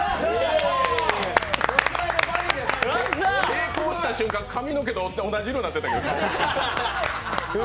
成功した瞬間、髪の毛と顔、同じ色になってたけど。